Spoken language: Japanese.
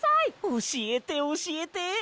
おしえておしえて。